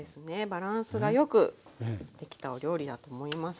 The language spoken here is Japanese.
バランスがよくできたお料理だと思います。